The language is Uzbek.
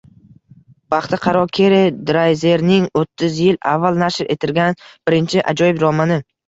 «Baxti qaro Kerri» Drayzerning o‘ttiz yil avval nashr ettirgan birinchi ajoyib romani